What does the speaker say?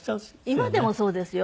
今でもそうですよ。